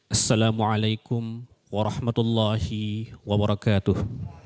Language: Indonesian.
assalamu'alaikum warahmatullahi wabarakatuh